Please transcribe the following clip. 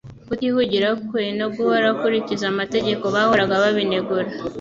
Kutihugiraho kwe no guhora akurikiza amategeko bahoraga babinegura.